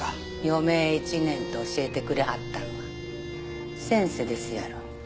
余命１年と教えてくれはったんは先生ですやろ。